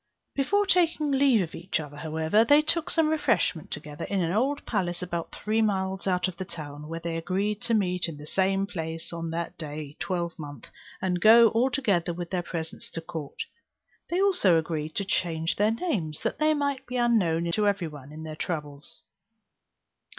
Before taking leave of each other, however, they took some refreshment together, in an old palace about three miles out of town where they agreed to meet in the same place on that day twelvemonth, and go all together with their presents to court. They also agreed to change their names, that they might be unknown to every one in their travels.